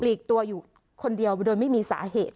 ลีกตัวอยู่คนเดียวโดยไม่มีสาเหตุ